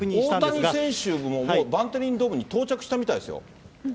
大谷選手ももう、バンテリンドームに到着したみたいですよ。